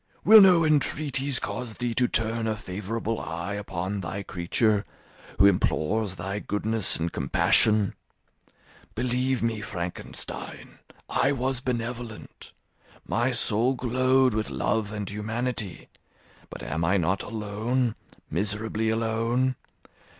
Will no entreaties cause thee to turn a favourable eye upon thy creature, who implores thy goodness and compassion? Believe me, Frankenstein, I was benevolent; my soul glowed with love and humanity; but am I not alone, miserably alone?